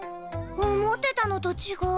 思ってたのと違う。